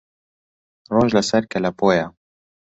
ڕۆژ لە سەر کەلەپۆیە